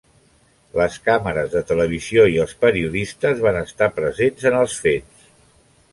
Les càmeres de televisió i els periodistes van estar presents en els fets.